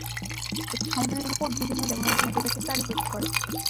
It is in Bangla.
এটি সমাধানের জন্য ফোর্ড বিভিন্ন ব্যবহারের জন্য প্রজেক্ট স্টাডি প্রস্তুত করে।